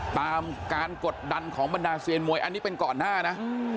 ตามการกดดันของบรรดาเซียนมวยอันนี้เป็นก่อนหน้านะ